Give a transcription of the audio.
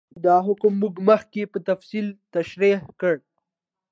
دا حکم موږ مخکې په تفصیل تشرېح کړ.